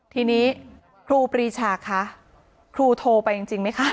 ทีนี้ครูปรีชาคะครูโทรไปจริงไหมคะ